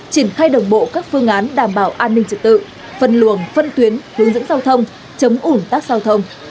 triển khai đồng bộ các phương án đảm bảo an ninh trật tự phân luồng phân tuyến hướng dẫn giao thông chấm ủng tác giao thông